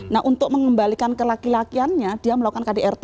nah untuk mengembalikan ke laki lakiannya dia melakukan kdrt